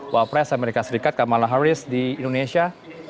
wak pres amerika serikat kamala harris di indonesia